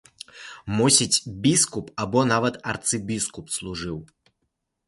Мусіць, біскуп або нават арцыбіскуп служыў.